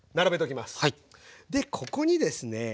でここにですね